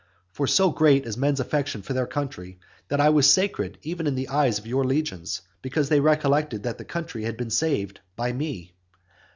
For so great is men's affection for their country, that I was sacred even in the eyes of your legions, because they recollected that the country had been saved by me.